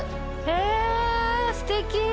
えすてき！